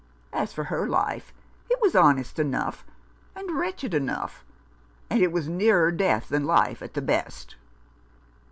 As for her life, it was honest enough, and wretched enough ; and it was nearer death than life at the best."